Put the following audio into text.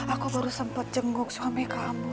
aku baru sempet jenguk suami kamu